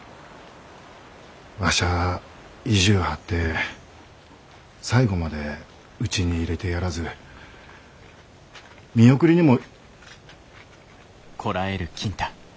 わしゃあ意地ゅう張って最後までうちに入れてやらず見送りにも。